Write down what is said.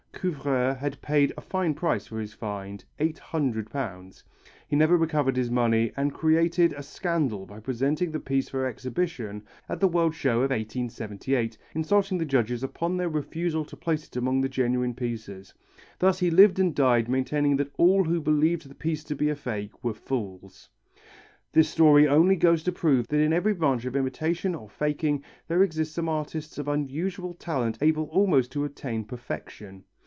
Couvreur had paid a fine price for his find, £800. He never recovered his money and created a scandal by presenting the piece for exhibition at the World's Show of 1878, insulting the judges upon their refusal to place it among the genuine pieces. Thus he lived and died maintaining that all who believed the piece to be a fake were fools. This story only goes to prove that in every branch of imitation or faking there exist some artists of unusual talent able almost to attain perfection.